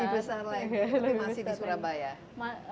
lebih besar lah ya tapi masih di surabaya